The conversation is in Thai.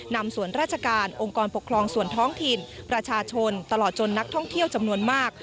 นำส่วนราชการองค์กรปกครองส่วนท้องถิ่นประชาชนตลอดจนนักท่องเที่ยวจำนวนมาก